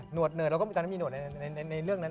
หนวดเนิดเราก็ตอนนั้นมีหนวดในเรื่องนั้น